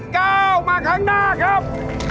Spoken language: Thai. ก้าวมาครั้งหน้าครับ